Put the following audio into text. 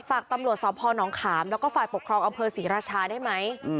ฝากตำรวจศนองขาวแล้วก็ฝากปกครองอศริราชะได้มั้ย